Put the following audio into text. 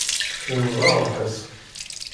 Inneḍ-aɣ lḥesk.